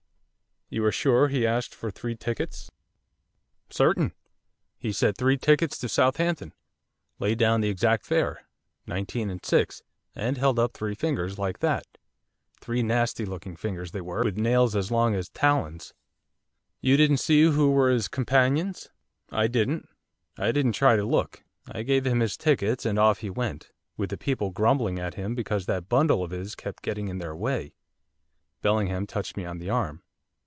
'You are sure he asked for three tickets?' 'Certain. He said three tickets to Southampton; laid down the exact fare, nineteen and six and held up three fingers like that. Three nasty looking fingers they were, with nails as long as talons.' 'You didn't see who were his companions?' 'I didn't, I didn't try to look. I gave him his tickets and off he went, with the people grumbling at him because that bundle of his kept getting in their way.' Bellingham touched me on the arm.